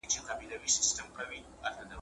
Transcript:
راز د میني دي رسوادئ، له اغیاره ګوندي راسې